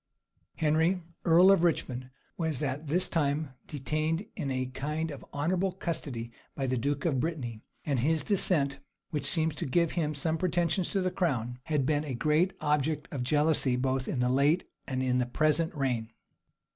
Henry, earl of Richmond, was at this time detained in a kind of honorable custody by the duke of Brittany; and his descent, which seemed to give him some pretensions to the crown, had been a great object of jealousy both in the late and in the present reign.